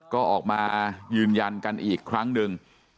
ก็ออกมายืนยันกันอีกครั้งหนึ่ง